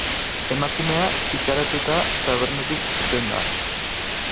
Emakumea, ikaratuta, tabernatik irten da.